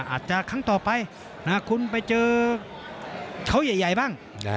อาจจะครั้งต่อไปคุณไปเจอเขาใหญ่บ้าง